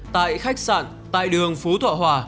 tại khách sạn tại đường phú thọ hòa